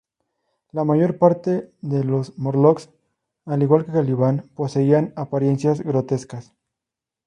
La mayor parte de los Morlocks, al igual que Caliban, poseían apariencias grotescas.